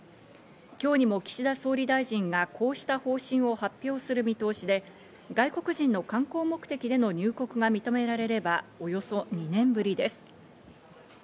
今日にも岸田総理大臣がこうした方針を発表する見通しで、外国人の観光目的での入国が認められれば、およそ２年ぶりです。